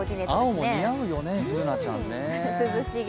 青も似合うよね、Ｂｏｏｎａちゃんは。